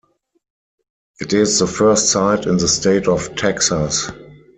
It is the first site in the state of Texas.